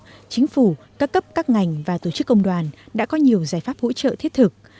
người lao động chính phủ các cấp các ngành và tổ chức công đoàn đã có nhiều giải pháp hỗ trợ thiết thực